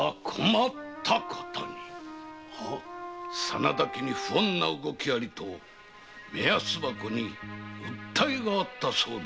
「真田家に不穏な動きあり」と目安箱に訴えがあったぞ。